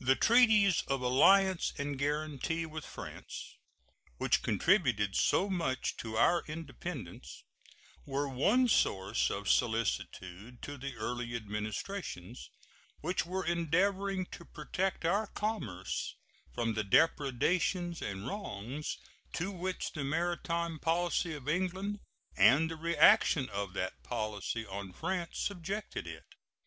The treaties of alliance and guaranty with France, which contributed so much to our independence, were one source of solicitude to the early Administrations, which were endeavoring to protect our commerce from the depredations and wrongs to which the maritime policy of England and the reaction of that policy on France subjected it.